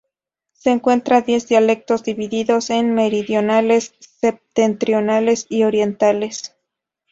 Se cuentan diez dialectos, divididos en meridionales, septentrionales y orientales.